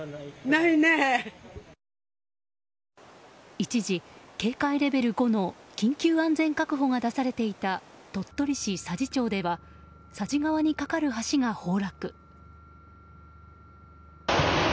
一時、警戒レベル５の緊急安全確保が出されていた鳥取市佐治町では佐治川に架かる橋が崩落。